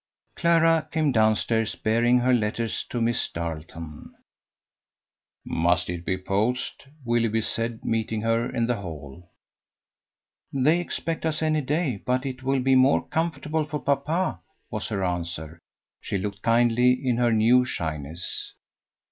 Clara came downstairs, bearing her letter to Miss Darleton. "Must it be posted?" Willoughby said, meeting her in the hall. "They expect us any day, but it will be more comfortable for papa," was her answer. She looked kindly in her new shyness.